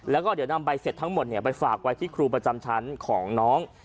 แล้วก็เดี๋ยวนำใบเสร็จทั้งหมดไปฝากไว้ที่ครูประจำชั้นของน้อง